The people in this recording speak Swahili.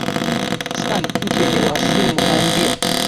stan nchi yenye uhasimu na india